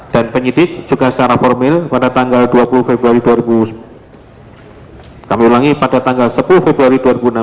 dan penyidik juga secara formal pada tanggal dua puluh februari dua ribu enam belas